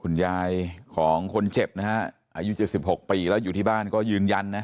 คุณยายของคนเจ็บนะฮะอายุ๗๖ปีแล้วอยู่ที่บ้านก็ยืนยันนะ